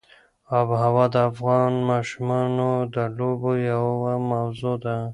آب وهوا د افغان ماشومانو د لوبو یوه موضوع ده.